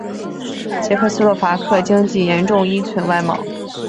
捷克斯洛伐克经济严重依存外贸。